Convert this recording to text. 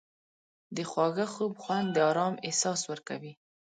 د خواږه خوب خوند د آرام احساس ورکوي.